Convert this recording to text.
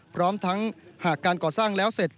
พร้อมทั้งหากการก่อสร้างแล้วเสร็จ